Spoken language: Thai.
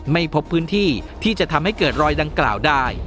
ไม่พบพื้นที่ที่จะทำให้เกิดรอยดังกล่าวได้